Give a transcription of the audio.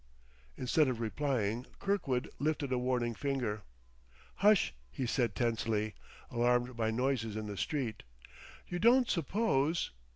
Instead of replying, Kirkwood lifted a warning finger. "Hush!" he said tensely, alarmed by noises in the street. "You don't suppose